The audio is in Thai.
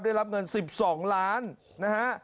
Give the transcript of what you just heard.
ได้รับเงิน๑๒ล้านนะฮะ